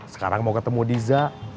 sekarang mau ketemu diza